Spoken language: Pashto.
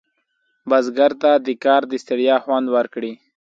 بزګر ته د کار د ستړیا خوند ورکړي